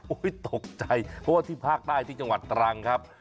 ตกใจเพราะว่าที่ภาคใต้ที่จังหวัดตรังครับ